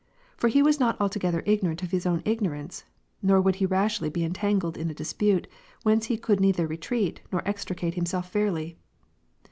For he was not altogether ignorant of his own ignorance, nor would he rashly be entangled in a dispute, whence he could neither retreat, nor extricate himself fairly.